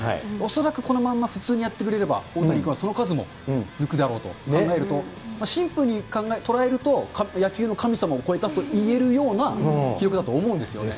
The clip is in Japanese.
恐らくこのまんま普通にやってくれれば、大谷君はその数も抜くだろうと考えると、シンプルに捉えると、野球の神様を超えたといえるような記録だと思うんですよね。